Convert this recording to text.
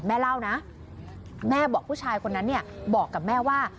แม่เล่านะแม่บอกผู้ชายคนนั้นเนี่ยบอกกับแม่ว่า